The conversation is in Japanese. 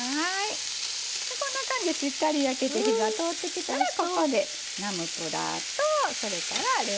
こんな感じでしっかり焼けて火が通ってきたらここでナムプラーとそれからレモン汁加えます。